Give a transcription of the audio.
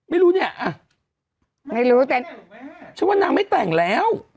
ไม่รู้เนี่ยไม่รู้แต่ไม่แต่งหรอกแม่ฉันว่านางไม่แต่งแล้วอืม